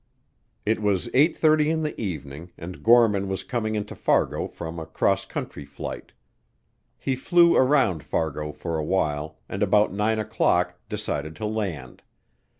It was eight thirty in the evening and Gorman was coming into Fargo from a cross country flight. He flew around Fargo for a while and about nine o'clock decided to land.